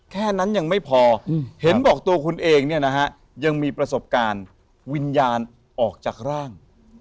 แค่นั้นยังไม่พอเห็นบอกตัวคุณเองเนี่ยนะฮะยังมีประสบการณ์วิญญาณออกจากร่าง